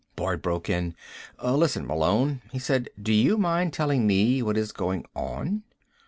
Boyd broke in. "Listen, Malone," he said, "do you mind telling me what is going on?"